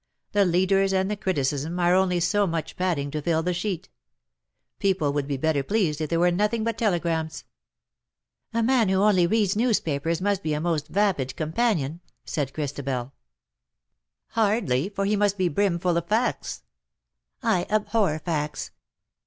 The leaders and the criticism are only so much padding to fill the sheet. People would be better pleased if there were nothing but telegrams.'^ " A man who only reads newspapers must be a most vapid companion, *^ said Christabel. 32 THE DAYS THAT ARE ^'0 MORE. ^^ Hardly, for he must be brim full of facts/'' " I abbor facts.